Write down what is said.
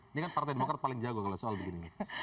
ini kan partai demokrat paling jago kalau soal begini